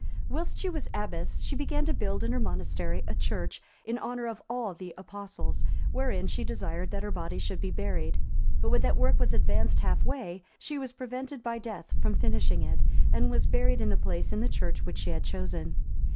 Whilst she was abbess, she began to build in her monastery a church, in honour of all the Apostles, wherein she desired that her body should be buried; but when that work was advanced half way, she was prevented by death from finishing it, and was buried in the place in the church which she had chosen.